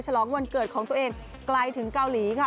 ฉลองวันเกิดของตัวเองไกลถึงเกาหลีค่ะ